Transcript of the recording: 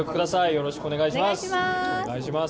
よろしくお願いします。